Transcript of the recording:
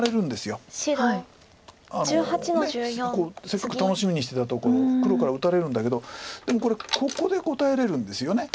せっかく楽しみにしてたところ黒から打たれるんだけどでもこれここで応えれるんですよね。